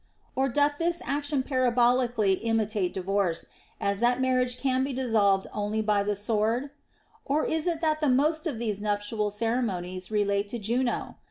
Or doth this action parabol ically intimate divorce, as that marriage can be dissolved only by the sword? Or is it that most of these nuptial ceremonies relate to Juno